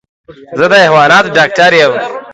زه د حيواناتو ډاکټر يم.